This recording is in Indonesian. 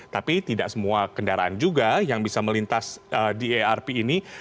tapi tidak semua kendaraan juga yang boleh melintas ia karena enak